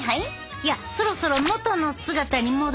いやそろそろもとの姿に戻してえな。